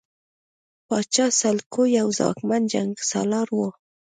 پاچا سلوکو یو ځواکمن جنګسالار وو.